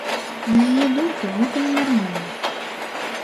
На яе думку, гэта ненармальна.